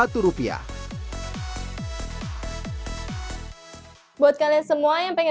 terima kasih shopee